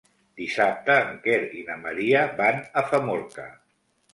Dissabte en Quer i na Maria van a Famorca.